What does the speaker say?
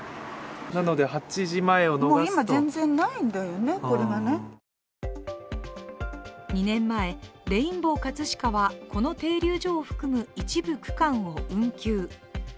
なので８時前を逃すと２年前、レインボーかつしかはこの停留所を含む一部区間を運休。